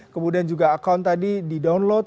kemudian juga account tadi di download